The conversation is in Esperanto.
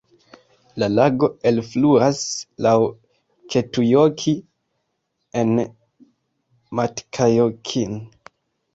La lago elfluas laŭ Kettujoki en Matkajokin.